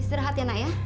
istirahat ya nak ya